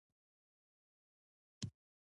ارغنداب په کندهار کي د انارو په ولسوالۍ مشهوره دی.